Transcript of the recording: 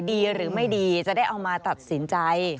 ดีหรือไม่ดีจะได้เอามาตัดสินใจ